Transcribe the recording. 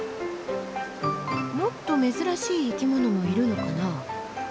もっと珍しい生き物もいるのかな？